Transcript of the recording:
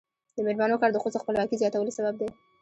د میرمنو کار د ښځو خپلواکۍ زیاتولو سبب دی.